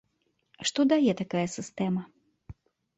Што дае такая сістэма?